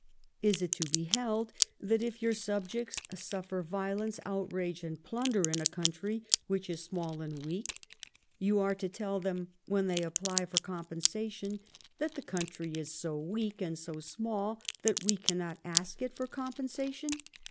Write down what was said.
Is it to be held that if your subjects suffer Tiolence, outrage, and plunder, in a country which is small and weak, you are to tell them, when they apply for compensa tion, that the country is so weak and so small that we cannot ask it for compensation?